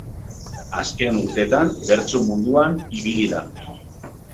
Azken urtetan bertso munduan ibili da.